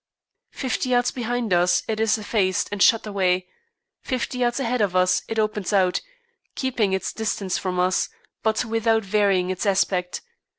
Fifty yards behind us it is effaced and shut away; fifty yards ahead of us it opens out, keeping its distance from us, but without varying its aspect.